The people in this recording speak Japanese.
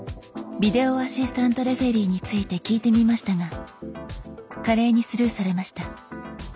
ビデオアシスタントレフェリーについて聞いてみましたが華麗にスルーされました。